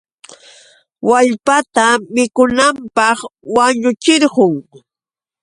Wallpatam mikunanpaq wañuchirqun.